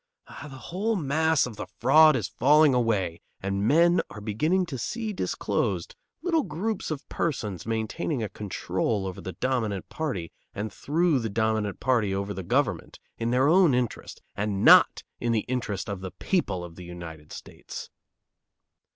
Ah, the whole mass of the fraud is falling away, and men are beginning to see disclosed little groups of persons maintaining a control over the dominant party and through the dominant party over the government, in their own interest, and not in the interest of the people of the United States!